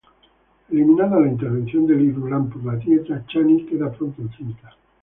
Eliminada la intervención de Irulan por la dieta, Chani queda pronto encinta.